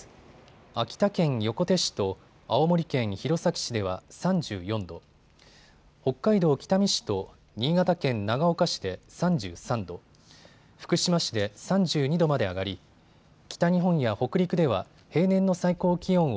秋田県横手市と青森県弘前市では３４度、北海道北見市と新潟県長岡市で３３度、福島市で３２度まで上がり北日本や北陸では平年の最高気温を